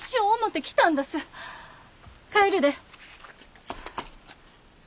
帰るで。